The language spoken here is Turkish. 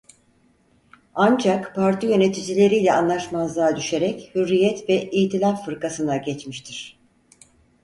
Ancak parti yöneticileriyle anlaşmazlığa düşerek Hürriyet ve İtilaf Fırkası'na geçmiştir.